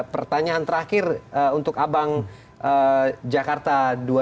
pertanyaan terakhir untuk abang jakarta dua ribu dua puluh